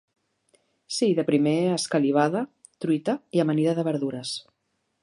Sí, de primer, escalivada, truita i amanida de verdures.